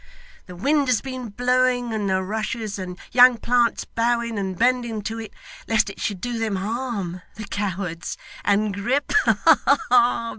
The wind has been blowing, and the rushes and young plants bowing and bending to it, lest it should do them harm, the cowards and Grip ha ha ha!